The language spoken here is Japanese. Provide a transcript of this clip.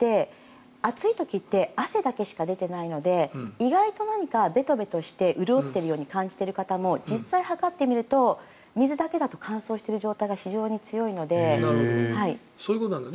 暑い時って汗だけしか出ていないので意外と何かべとべとして潤ってるように感じてる方も実際測ってみると水だけだと乾燥している状態がそういうことなんだ。